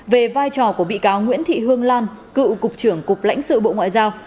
về vai trò của bị cáo nguyễn thị hương lan cựu cục trưởng cục lãnh sự bộ ngoại giao